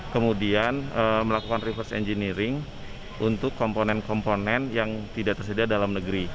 kemudian melakukan reverse engineering untuk komponen komponen yang tidak tersedia dalam negeri